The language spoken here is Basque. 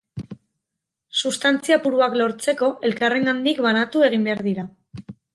Substantzia puruak lortzeko, elkarrengandik banandu egin behar dira.